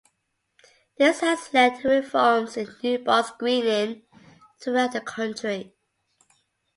This has led to reforms in newborn screening throughout the country.